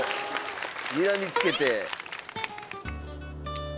にらみつけて。